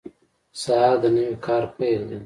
سهار د نوي کار پیل دی.